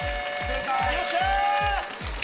よっしゃ！